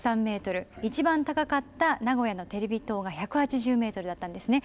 一番高かった名古屋のテレビ塔が１８０ｍだったんですね。